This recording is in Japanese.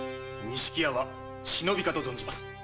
錦屋は忍びかと存じます。